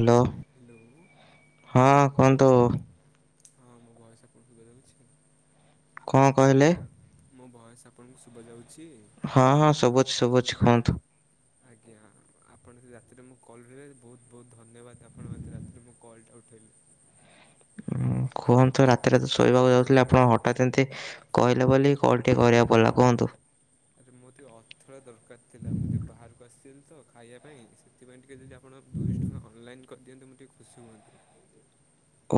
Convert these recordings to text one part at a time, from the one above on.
Hello hello ହଁ କୁହନ୍ତୁ? ହଁ ମୋ ଭୟସ ଆପଣଙ୍କୁ ସୁବା ଯାଉଛି। କଣ କହିଲେ? ମୋ ଭଏସ୍ ଆପଣଙ୍କୁ ଶୁଭା ଯାଉଛି? ହଁ ହଁ ସୁବୁଛି ସୁବୁଛି କୁହନ୍ତୁ। [unintelligible] ଆଜ୍ଞା ଆପଣ ସେ ରାତିରେ ମୁଁ କଲ୍ ଉଠାଇବେ ବହୁତ ବହୁତ ଧନ୍ୟବାଦ ଆପଣ ମୋତେ ରାତିରେ ମଁ କଲ୍ଟା ଉଠାଇଲେ। କୁହନ୍ତୁ ରାତିରେ ତ ଶୋଇବାକୁ ଯାଉଥିଲେ ଆପଣ ହଟାତ୍ ଏମିତି କହିଲେ ବୋଲି କଣ ଟିକେ କରିବାକୁ ପଡ଼ିଲା କୁହନ୍ତୁ। ଆରେ ମୋର ଟିକେ ଅର୍ଥ ଦରକାର ଥିଲା ମୁଁ ଟିକେ ବାହାରକୁ ଆସିଥିଲି ତ ଖାଇବା ପାଇଁ ସେଥିପାଇଁ ଟିକେ ଯି ଆପଣ ଦୁଇଶହ ଟଙ୍କା ଅନଲାଇନ୍ କରିଦିଅନ୍ତେ, ମୁଁ ଟିକେ ଖୁସି ହୁଅନ୍ତି।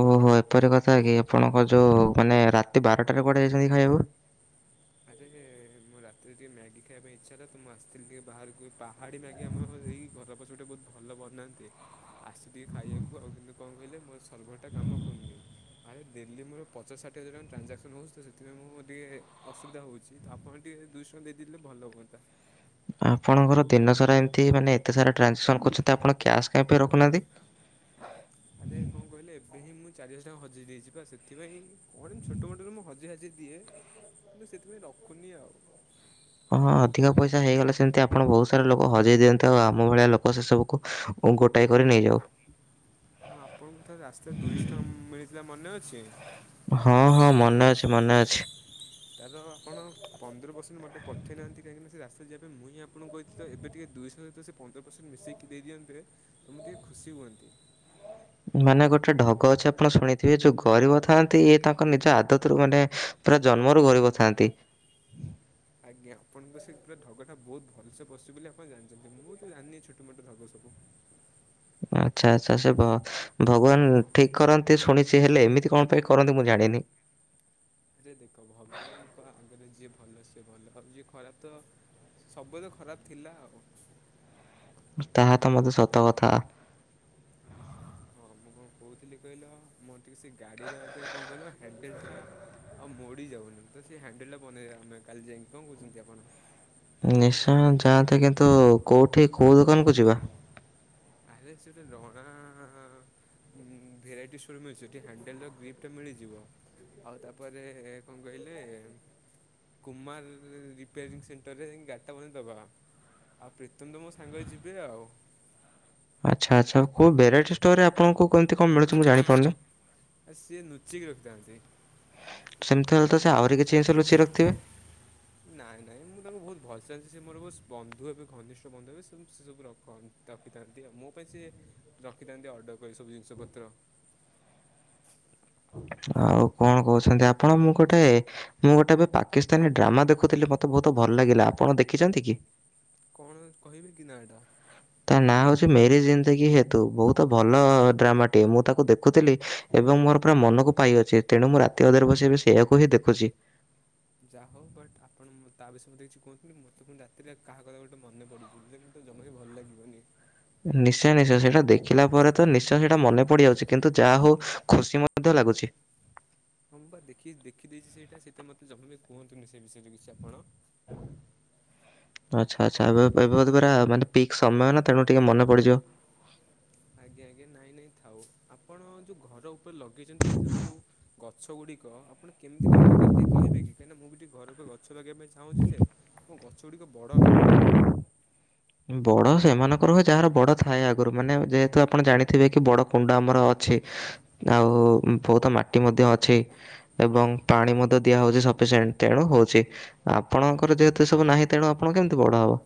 ଓହୋ ଏପରି କଥା କି ଆପଣଙ୍କ ଯଉ ମାନେ ରାତି ବାରଟାରେ କୁଆଡ଼େ ଯାଇଛନ୍ତି ଖାଇବାକୁ? ଆଛା ସେ ରାତିରେ ଟିକେ ମ୍ୟାଗି ଖାଇବା ପାଇଁ ଇଚ୍ଛା ହେଲାତ, ମୁଁ ଆସିଥିଲି ଟିକେ ବାହାରକୁ ବି ପା ପାହାଡ଼ି ମ୍ୟାଗି ଆମର ଏଇ ଘର ପଛ ପଟେ ବହୁତ ଭଲ ବନାନ୍ତି, ଆସିଛି ଟିକେ ଖାଇବାକୁ। ଆଉ କିନ୍ତୁ କଣ କହିଲେ? ମୋର ସର୍ଭର୍ ଟା କାମ କରୁନି। ଆରେ ଦିଲ୍ଲୀ ମୋର ପଚାଶ ଷାଠିଏ ହଜାର ଟଙ୍କା ଟ୍ରାଞ୍ଜକ୍ସନ୍ ହେଉଛି ତ ସେଥିପାଇଁ ମୁଁ ଟିକେ ଅସୁବିଧା ହଉଛି ତ ଆପଣ ଟିକେ ଦୁଇଶହ ଦେଇଦେଲେ ଭଲ ହୁଅନ୍ତା ଆପଣଙ୍କର ଦିନସାରା ଏମିତି ମାନେ ଏତେ ସାରା ଟ୍ରାଞ୍ଜାକ୍ସନ୍ କରୁଛନ୍ତି ଆପଣ କ୍ୟାସ୍ କାହିଁକି ରଖୁନାହାନ୍ତି? ଆରେ କଣ କହିଲେ ଏବେ ହିଁ ମୁଁ ଚାରିହଜା ଟଙ୍କା ହଯେଇ ଦେଇଛି ବା ସେଥିପାଇଁ କଣ ଛୋଟ ମୋଟରେ ମୁଁହ ହଜି ହାଜି ଦିଏ କିନ୍ତୁ ସେଥିପାଇଁ ରଖୁନି ଆଉ ହଁ ହଁ ଅଧିକ ପଇସା ହେଇଗଲା ସେମିତି ଆପଣ ବହୁତ ସାରା ଲୋକ ହଜେଇ ଦିଅନ୍ତୁ ଆଉ ଆମ ଭଳିଆ ଲୋକ ସେ ସବୁକୁ ଆ ଗୋଟାଏ କରି ନେଇଯାଉ। ହଁ ଆପଣଙ୍କୁ ତ ରାସ୍ତାରେ ଦୁଇଶହ ଟଙ୍କା ମିଳିଥିଲା ମନେ ଅଛି? ହଁ ହଁ ମନେ ଅଛି, ମନେ ଅଛି। ତାର ଆପଣ ପନ୍ଦର ପରସେଣ୍ଟ୍ ମୋତେ ପଠେଇନାହାନ୍ତି କାହିଁକି ସେ ରାତାରେ ଯିବା ପାଇଁ ମୁଁ ହଁ ଆପଣଙ୍କୁ କହିଥିଲେ ତ ଏ ଟିକେ ଦୁଇଶହ ସହିତ ସେ ପନ୍ଦର ପରସେଣ୍ଟ ମିଶେଇକି ଦେଇଦିଅନ୍ତେ ତମୁଁ ଟିକେ ଖୁସି ହୁଅନ୍ତି। ମାନେ ଗୋଟେ ଢଗ ଅଛି ଆପଣ ଶୁଣିଥିବେ ଯୋଉ ଗରିବ ଥାଆନ୍ତି ଇଏ ତାଙ୍କ ନିଜ ଆଦତରୁୁ ମାନେ ପୁରା ଜନ୍ମରୁ ଗରିବ ଥାନ୍ତି। ଆଜ୍ଞା ଆପଣଙ୍କୁ ସେ ପୁରା ଢ଼ଗ ଟା ବହୁତ ଭଲସେ ପଶିବୋଲି ଆପଣ ଜାଣିଛନ୍ତି ମୁଁ ତ ଜାଣିନି ଛୋଟ ମୋଟ ଢ଼ଗ ସବୁ ଆଚ୍ଛା ଆଚ୍ଛା ସେ ଭଗବାନ ଠିକ କରନ୍ତି ଶୁଣିଛି ହେଲେ ଏମିତି କଣ ପାଇଁ କରନ୍ତି ମୁଁ ଜାଣିନି। ଆରେ ଦେଖ ଭଗବାନଙ୍କ ଆଗରେ ଯିଏ ଭଲ ସିଏ ଭଲ ଆଉ ଯିଏ ଖରାପ ତ ସବୁବେଳେ ଖରାପ ଥିଲା ଆଉ ତାହା ତ ମଧ୍ୟ ସତ କଥା। ହଁ ମୁଁ କଣ କହୁଥିଲି କହିଲ ମୋର ଟିକେ ସେ ଗାଡିର ଏବେ କଣ କହିଲ ହ୍ୟାଣ୍ଡେଲ ଟା ଆଉ ମୋଡି ଯାଉନି ତ ସେ ହ୍ୟାଣ୍ଡେଲ ଟା ବନେଇ ଆମେ କାଲି ଯାଇକି କଣ କହୁଛନ୍ତି ଆପଣ? ନିଶା ଯାଆନ୍ତିେ କିନ୍ତୁ କୋଉଠି କୋଉ ଦୋକାନ କୁ ଯିବା? ଆରେ ସେଠୀ ରଣା ଭେରାଇଟି ଷ୍ଟୋର ମିଳଛି ସେଠି ହ୍ୟାଣ୍ଡେଲର ଗ୍ରିପ୍ଟା ମିଳିଯିବ। ଆଉ ତାପରେ କଣ କହିଲେ କୁମାର ରିପେରିଂ ସେଣ୍ଟରରେ ଗାଡ଼ିଟା ମାନେ ଦେବା। ଆଉ ପ୍ରୀତମ୍ ତ ମୋ ସାଙ୍ଗରେ ଯିବେ ଆଉ ଆଚ୍ଛା ଆଚ୍ଛା କୋଉ ଭେରାଇଟି ଷ୍ଟୋର୍ ରେ ଆପଣଙ୍କୁ କେମିତି କଣ ମିଳୁଥି ଣ ମିଳୁଥିବ ଆ ସିଏ ଲୁଚିକି ରଖିଥାନ୍ତି। ସେମିତି ହେଲେ ତ ସେ ଆହୁରି କିଛିି ଯିନିଷ ଲୁଚେଇକି ରଖଥିବେ। ନାଇଁ ନାଇଁ ମୁଁ ତାଙ୍କୁ ବହୁତ ଭଲ ଚାଲିଛି ସେ ମୋର ବନ୍ଧୁ ହେବେ ଘନିଷ୍ଠ ବନ୍ଧୁ ହେବେ ସେ ସବୁ ରଖନ୍ତି ରଖିଥାନ୍ତି ଆଉ ମୋ ପାଇଁ ସିଏ ରଖିଥାନ୍ତି ଅର୍ଡ଼ର କରି ସବୁ ଜିନିଷ ପତ୍ର। ଆଉ କଣ କହୁଛନ୍ତି ଆପଣ ମୁଁ ଗୋଟେ ମୁଁ ଗୋଟେ ଏବେ ପାକିସ୍ତାନୀ ଡ୍ରାମା ଦେଖୁଥିଲି ମତେ ବହୁତ ଭଲ ଲାଗିଲା, ଆପଣ ଦେଖିଛନ୍ତି କି? କଣ କହିବି କି ନାଟା? ତା ନାଁ ହଉଛି ମେରି ଜିନ୍ଦକି ହେ ତୁ ବହୁତ ଭଲ ଡ୍ରାମାଟିଏ ମୁଁ ତାକୁ ଦେଖୁଥିଲି ଏବଂ ମୋର ପୁରା ମନକୁ ପାଇ ଅଛି ତେଣୁ ମୁଁ ରାତି ଅଧରେ ବସିକି ଏବେ ସେଇଆକୁ ହିଁ ଦେଖୁଛି। ଯାହା ହଉ ବଟ ଆପଣ ତା ବିଷୟ ମତେ କିଛି କୁହନ୍ତିି ମୋତେ ପୁଣି ରାତିରେ କାହା କଥା ଗୋଟେ ମନେ ପଡିଯିବ। ତ ଜମା ବି ଭଲ ଲାଗିବନି। ନିଶ୍ଚୟ ନିଶ୍ଚୟ ସେଇଟା ଦେଖିଲା ପରେ ତ ନିଶ୍ଚୟ ସେଇଟା ମନେ ପଡିଯାଉଛି, କିନ୍ତୁ ଯାହା ହଉ ଖୁସି ମଧ୍ୟ ଲାଗୁଛି। ହଁ ବା ଦେଖି, ଦେଖି ଦେଇଛି ସେଇଟା ସେ ପାଇଁ ମତେ ଜମା ବି କୁହନ୍ତୁନି ସେ ବିଷୟରେ କିଛି ଆପଣ। [inaudible] ଆଚ୍ଛା ଆଚ୍ଛା ଏବେ ଏ ପୁରା ମାନେ ପିକ୍ ସମୟ ନା ତେଣୁ ଟିକେ ମନେ ପଡ଼ିଯିବ। ଆଜ୍ଞା ଆଜ୍ଞା। ନାଇଁ ନାଇଁ ଥାଉ। ଆପଣ ଯେଉ ଘର ଉପରେ ଲଗେଇଛନ୍ତି ଏ ସବୁ ଯେଉ ଗଛ ଗୁଡିକ ଆପଣ କେମିତି କଣ ଲଗେଇଲେ ଟିକେ କହିବେ କି କହିଁକନା ମୁଁ ଟିକେ ଘରେ ଗଛ ଗଛ ଲଗେଇବା ପାଇଁ ଚାହୁଁଛି ଯେ, ମୋ ଗଛ ଗୁଡିକ ବଡ ହଉନାହିଁ। ବଡ଼ ସେମାନଙ୍କର ହୁଏ, ଯାହାର ବଡ଼ ଥାଏ ଆଗରୁ। ମାନେ ଯେହେତୁ ଆପଣ ଜାଣିଥିବେ କି ବଡ଼ କୁଣ୍ଡ ଆମର ଅଛି। ଆଉ ବହୁତ ମାଟି ମଧ୍ୟ ଅଛି। ଏବଂ ପାଣି ମଧ୍ୟ ଦିଆହେଉଛି ସଫିସିଏଣ୍ଟ, ତେଣୁ ହେଉଛି। ଆପଣଙ୍କର ଯେହେତୁ ଏସବୁ ନାହିଁ ତେଣୁ ଆପଣ କେମିତି ବଡ ହବ।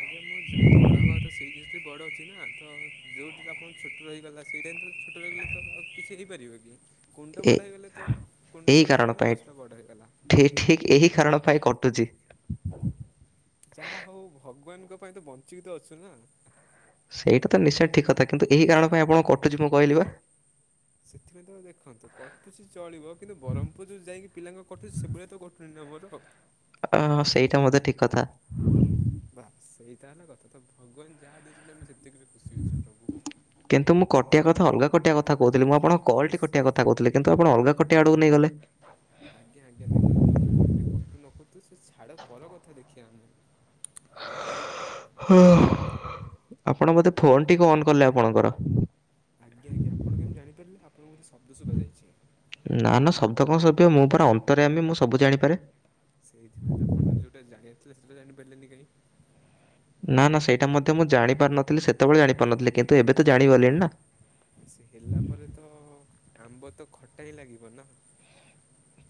ଆଜ୍ଞା ମୋ ଯାହା ବଡ ହବା କଥା ସେଇ ଜିନିଷ ଟି ବଡ ଅଛି। ଅଛି ନା ତ ଯୋଉଠି ଆପଣ ଛୋଟ ରହିଗଲା, ସେଇଟା ହିଁ ତ ଛୋଟ ରହିଗଲେ ତ ଆଉ କିଛି ହେଇପାରିବନି। କୁଣ୍ଡ ଏ ବଡ଼ ହୋଇଗଲେ ତ, କୁଣ୍ଡ ଏହି ବଡ଼ କାରଣ ହେଇଗଲା ବୋଲି ପାଇଁ ଗଛଟା ବଡ଼ ହୋଇଗଲା। ଠିକ୍ ଏହି କାରଣ ପାଇଁ କଟୁଛି। ଯାହା ହଉ ଭଗବାନଙ୍କ ପାଇଁ ତ ବଞ୍ଚିକି ତ ଅଛୁ ନା। ସେଇଟା ତ ନିଶ୍ଚୟ ଠିକ କଥା କିନ୍ତୁ ଏହିଇ କାରଣ ପାଇଁ ଆପଣ କଟୁଛି ମୁଁ କହିଲି ବା। ସେଥିପାଇଁ ତ ଦେଖନ୍ତୁ କଟୁଛି ଚଳିବ କିନ୍ତୁ ବ୍ରହ୍ମପୁର ଯେଉ ଯାଇକି ପିଲାଙ୍କ କଟୁଛି, ସେଭଳିଆ ତ କଟୁନି ନା ମୋର। ଅଁ ସେଇଟା ମୋତେ ଠିକ କଥା। ବାସ ସେଇଟା ହେଲେ କଥା ତ ଭଗବାନ ଯାହା ଦେଇଛନ୍ତି ଆମେ ସେତିକରେ ଖୁସି ଅଛୁ ପ୍ରଭୁ। କିନ୍ତୁ ମୁଁ କଟିବା କଥା ଅଲଗା କଟିବା କଥା କହୁଥିଲିଁ ମୁଁ ଆପଣ ମୁଁ କଲଟି ଖଟିଆ କଥା କହୁଥିଲେ କିନ୍ତୁ ଆପଣ ଅଲଗା ଖଟିଆ ଆଡକୁ ନେଇଗଲେ। ଆଜ୍ଞା ଆଜ୍ଞା ଦେଖନ୍ତୁ ମୋ କଲ ଟି କଟୁ ନ କଟୁ ସେ ଛାଡ ପର କଥା ଦେଖିଆ ଆମେ ହ ତ ଆଉ ଫୋନ ଟିକେ ଅନ୍ କଲେ ଆପଣଙ୍କର ଆଜ୍ଞା ଆଜ୍ଞା ଆପଣ କେମିତି ଜାଣିପାରିଲେ ଆପଣଙ୍କୁ ବୋଧେ ଶବ୍ଦ ଶୁଭାଯାଇଛି। ନା ନା ଶବ୍ଦ କଣ ଶୁଭିବ ମୁଁ ପରା ଅନ୍ତର୍ଯ୍ୟାମୀ। ମୁଁ ସବୁ ଜାଣିପାରେ। ସେଇଥିପାଇଁ ତ ଆପଣ ଯୋଉଟା ଜାଣିଆରଥିଲା ସେଇଟା ଜାଣିପାରିଲେନି କାଇଁ? ନା ନା ସେଇଟା ମଧ୍ୟ ମୁଁ ଜାଣିପାରି ନଥିଲି ସେ ସେତବଳେ ଜାଣିପାରୁନଥିଲି କିନ୍ତୁ ଏବେ ତ ଜାଣିଗଲିଣି ନା। ସେ ହେଲା ପରେ ତ ଆମ୍ବ ତ ଖଟା ହିଁ ଲାଗିବ ନା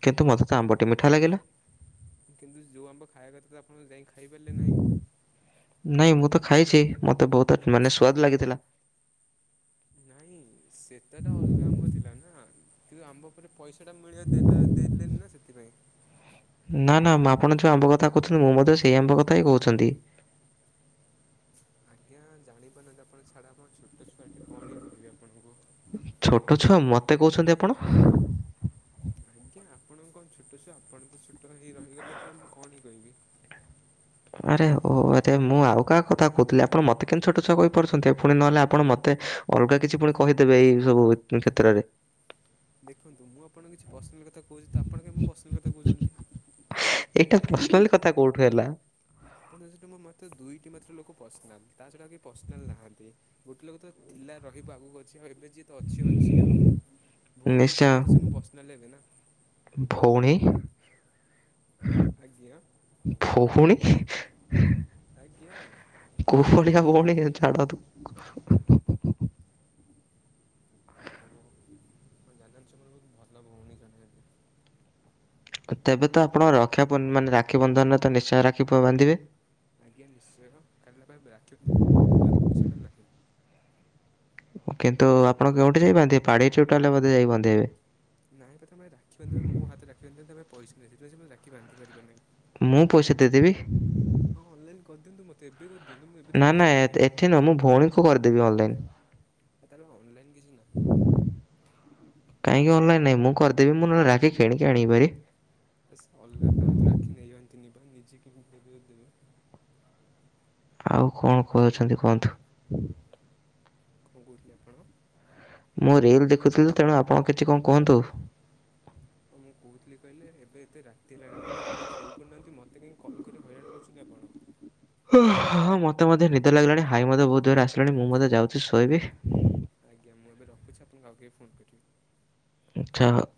କିନ୍ତୁ ମତେ ସେ ଆମ୍ବଟି ମିଠା ଲାଗିଲା। କିନ୍ତୁ ଯୋଉ ଆମ୍ବ ଖାଇବା କଥା ତ ଆପଣ ଯାଇ ଖାଇପାରିଲେ ନାହିଁ। ନାଇଁ ମୁଁ ତ ଖାଇଛି ମତେ ବହୁତ ମାନେ ସୁଆଦ ଲାଗିଥିଲା। ନାଇଁ ସେଟା ତ ଅଲଗା ଆମ୍ବ ଥିଲା ନା କିନ୍ତୁ ଆମ୍ବ ପରେ ପଇସାଟା ମିଳିବ ଦେଲା ଦେଲେନି ନା ସେଥିପାଇଁ ନା ନା ଆପଣ ଯୋଉ ଆମ୍ବ କଥା କହୁଛନ୍ତି ମୁଁ ମଧ୍ୟ ସେଇ ଆମ୍ବ କଥା ହିଁ କହୁଛନ୍ତି। ଆଜ୍ଞା ଜାଣିପାରୁନାହାଁନ୍ତି ଆପଣ ଛାଡ ଆପଣ ଛୋଟ ଛୁଆଟେ କଣ ହିଁ କହିବି ଆପଣଙ୍କୁ ଛୋଟ ଛୁଆ ମତେ କହୁଛନ୍ତି ଆପଣ ଆଜ୍ଞା ଆପଣ କଣ ଛୋଟ ଛୁଆ ଆପଣ ତ ଛୋଟ ହେଇ ରହିଗଲେ ତ ମୁଁ କଣ ହିଁ କହିବି। ଆରେ ଓ ଆଚ୍ଛା ମୁଁ ଆଉ କାହା କଥା କହୁଥିଲି ଆପଣ ମୋତେ କେମତି ଛୋଟ ଛଆ କହିପାରୁଛନ୍ତି ଫୁଣି ନହେଲେ ଆପଣ ମତେ ଅଲଗା କିଛି ପୁଣି କହିଦେବେ ଏଇ ସବୁ କ୍ଷେତ୍ରରେ। ଦେଖନ୍ତୁ ମୁଁ ଆପଣଙ୍କ କିଛି ପର୍ସନାଲ୍ କଥା କହୁଛି ତ ଆପଣ କାଇଁ ମୋ ପର୍ସନାଲ୍ କଥା କହୁଛନ୍ତି। ଏଇଟା ପର୍ସନାଲ କଥା କୋଉଠୁ ହେଲା? ଆପଣଙ୍କ ସହିତ ମୋ ମାତ୍ର ଦୁଇଟି ମାତ୍ର ଲୋକ ପର୍ସନାଲ ତା ଛଡା ଆଉ କେହି ପର୍ସନାଲ ନାହାଁନ୍ତି। ଗୋଟେ ଲୋକ ତ ଥିଲା ରହିବ ଆଗକୁ ଅଛି ଆଉ ଏବେ ଯିଏ ତ ଅଛି ଅଛି ଆଉ। ଭଉଣୀ ନିଶ୍ଚୟ। ହିସାବେରେ ତ ସେ ମୋ ପର୍ସନାଲ ହେବେ ନା ଭଉଣୀ ଆଜ୍ଞା [unintelligible] ଭଉଣୀ ଆଜ୍ଞା। କୋଉ ଭଳିଆ ଭଉଣୀ ଛାଡନ୍ତୁ [inaudible] ଓ ହୋ ଆପଣ ଜାଣିନାହାଁନ୍ତି ସେ ମୋର ବହୁତ ଭଲ ଭଉଣୀ ଜଣେ ହେବେ। ତେବେ ତ ଆପଣ ରକ୍ଷା ମାନେ ରାକ୍ଷୀବନ୍ଧନରେ ତ ନିଶ୍ଚୟ ରାକ୍ଷୀ ବାନ୍ଧିବେ। ଆଜ୍ଞା ନିଶ୍ଚୟ ଖାଲି ପାଇଁ ରାକ୍ଷୀ ବାନ୍ଧିବ ପଇସାଟା ନାହିଁ। କିନ୍ତୁ ଆପଣ କେଉଁଠି ଯାଇ ବାନ୍ଧିବେ ପାଡି ଚୋଟାଲେ ଯାଇ ବନ୍ଧେଇବେ ନାଇଁ ବା ତମେ ରାକ୍ଷୀ ବାନ୍ଧିବ ମୋ ହାତରେ ରାକ୍ଷୀ ବାନ୍ଧି ତା ପାଖେ ପଇସା ନାହିଁ ସେଥିପାଇଁ ସେ ମତେ ରାକ୍ଷୀ ବାନ୍ଧିପାରିବ ନାହିଁ। ମୁଁ ପଇସା ଦେଇଦେବି। ହଉ ଅନଲାଇନ କରିଦିଅନ୍ତୁ ମତେ ଏବେ କରିଦିଅନ୍ତୁ ମୁଁ ଏବେ ନା ତାକୁ ପଇସା ପଠେଇଦେବି। ନା ମୋ ଭଉଣୀ କୁ କରିଦେବି ଅନଲାଇନ। ତାର ଅନଲାଇନ କିଛି ନାହିଁ। କାଇଁକି ଅନଲାଇନ ନାହିଁ ମୁଁ କରିଦେବି ମୁଁ ନହେଲେ ରାକ୍ଷୀ କିଣିକି ଆଣିବି ଭାରି। ସେ ଅଲଗା କାହା ହାତରୁ ରାକ୍ଷୀ ନିଅନ୍ତିନି ପରା ନିଜେ କିଣିକି ଦେବେ ଯଦି ଦେବେ। ଆଉ କଣ କହୁଛନ୍ତି କୁହନ୍ତୁ? କଣ କହୁଥିଲେ ଆପଣ? ମୁଁ ରିଲ ଦେଖୁଥିଲି ତେଣୁ ଆପଣ କିଛି କଣ କୁହନ୍ତୁ? ହଁ ମୁଁ କହୁଥିଲି କହିଲେ ଏବେ ଏତେ ରାତି ହେଲାଣି ଆପଣ ଟିକେ ଯାଇକି ଶୋଇପଡୁନାହାଁନ୍ତି ମୋତେ କାଇଁ କଲ୍ କରି ହଇରାଣ କରୁଛନ୍ତି ଆପଣ? ଅ ହ ମୋତେ ମଧ୍ୟ ନିଦ ଲାଗିଲାଣି ହାଇ ମଧ୍ଯ ବହୁତ ଜୋରେ ଆସିଲାଣି ମୁଁ ମଧ୍ୟ ଯାଉଚି ଶୋଇବି। ଆଜ୍ଞା ମୁଁ ଏବେ ରଖୁଚି ଆପଣଙ୍କୁ ଆଉ କେବେ ଫୋନ କରିବି। ଆଚ୍ଛା ହ